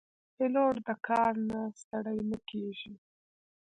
پیلوټ د کار نه ستړی نه کېږي.